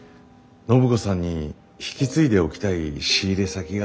暢子さんに引き継いでおきたい仕入れ先があって。